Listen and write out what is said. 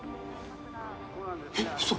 えっ嘘！？